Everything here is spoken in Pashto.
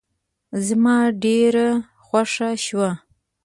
زما ډېره خوښه شوه.